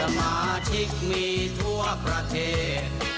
ทั่วประเทศ